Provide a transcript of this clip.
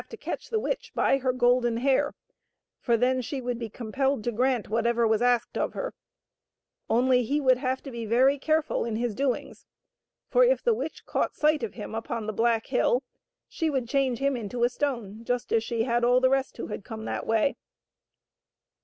to catch the witch by her golden hair, for then she would be compelled to grant whatever was asked of her; only he would have to be very careful in his doings, for if the witch caught sight of him upon the black hill she would change him into a stone just as she had all the rest who had come that way.